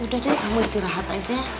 udah deh kamu istirahat aja